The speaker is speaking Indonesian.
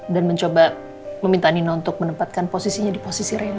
dan mencoba meminta nino untuk menempatkan posisinya di posisi rena